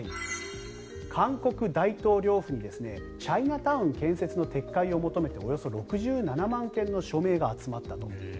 韓国大統領府にチャイナタウン建設の撤回を求めておよそ６７万件の署名が集まったと。